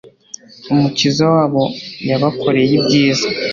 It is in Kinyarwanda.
umukiza wabo yabakoreye ibyiza